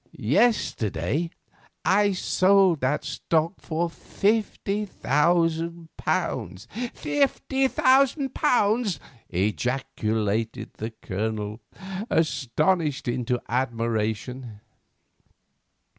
Yesterday I sold that stock for £50,000." "Fifty thousand pounds!" ejaculated the Colonel, astonished into admiration.